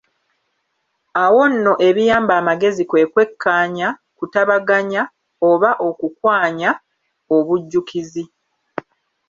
Awo nno ebiyamba amagezi kwe kwekkaanya, kutabaganya, oba okukwanya, obujjukizi.